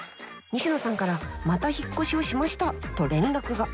西野さんから「また引っ越しをしました！」と連絡が。